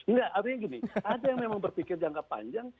enggak artinya gini ada yang memang berpikir jangka panjang